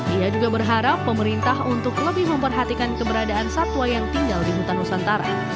ia juga berharap pemerintah untuk lebih memperhatikan keberadaan satwa yang tinggal di hutan nusantara